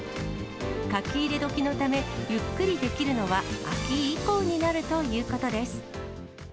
書き入れ時のため、ゆっくりできるのは秋以降になるということです。